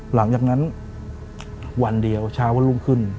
หลังจากนั้นวันเดียวเช้าวันรุ่งขึ้น